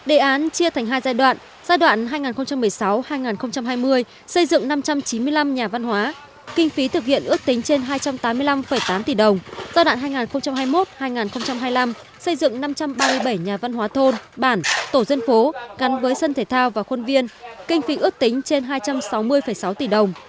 tỉnh tuyên quang chia thành hai giai đoạn giai đoạn hai nghìn một mươi sáu hai nghìn hai mươi xây dựng năm trăm chín mươi năm nhà văn hóa kinh phí thực hiện ước tính trên hai trăm tám mươi năm tám tỷ đồng giai đoạn hai nghìn hai mươi một hai nghìn hai mươi năm xây dựng năm trăm ba mươi bảy nhà văn hóa thôn bản tổ dân phố gắn với sân thể thao và khuôn viên kinh phí ước tính trên hai trăm sáu mươi sáu tỷ đồng